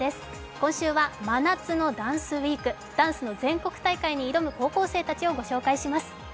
今週は真夏のダンスＷＥＥＫ、ダンスの全国大会に挑む高校生たちをお伝えします。